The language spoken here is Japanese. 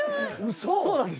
そうなんです。